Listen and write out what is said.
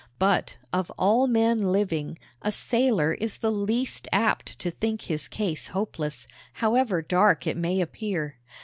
But, of all men living, a sailor is the least apt to think his case hopeless, however dark it may appear.